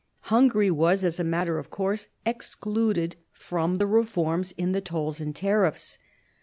Hungary was, as a matter of course, excluded from the reforms in the tolls and tariffs.